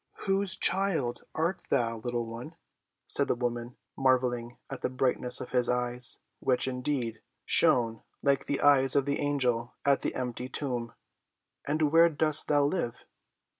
"Whose child art thou, little one?" said the woman, marveling at the brightness of his eyes, which, indeed, shone like the eyes of the angel at the empty tomb. "And where dost thou live?"